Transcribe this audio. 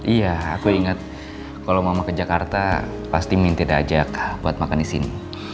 iya aku ingat kalau mama ke jakarta pasti minta dia ajak buat makan di sini